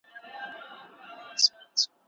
شراب به څښل کیږي.